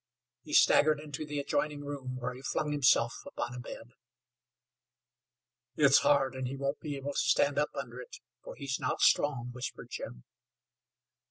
He staggered into the adjoining room, where he flung himself upon a bed. "It's hard, and he won't be able to stand up under it, for he's not strong," whispered Jim.